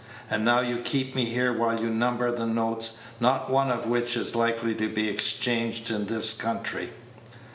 And now you keep me here while you number the notes, not one of which is likely to be exchanged in this country."